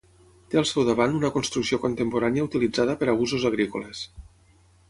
Té al seu davant una construcció contemporània utilitzada per a usos agrícoles.